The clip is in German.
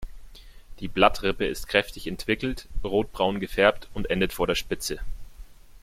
Die Blattrippe ist kräftig entwickelt, rotbraun gefärbt und endet vor der Spitze.